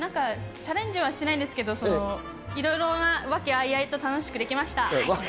チャレンジはしてないんですけど、いろいろな和気あいあいと楽しくできました。